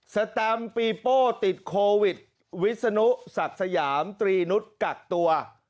แตมปีโป้ติดโควิดวิศนุศักดิ์สยามตรีนุษย์กักตัว